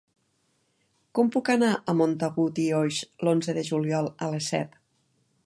Com puc anar a Montagut i Oix l'onze de juliol a les set?